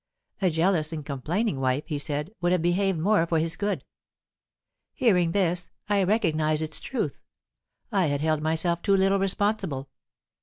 A jealous and complaining wife, he said, would have behaved more for his good. Hearing this, I recognized its truth. I had held myself too little responsible.